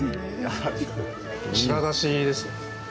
白だしですね。